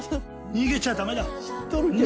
逃げちゃダメだ！